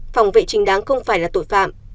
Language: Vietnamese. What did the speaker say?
phòng vệ trình đáng không phải là tội phạm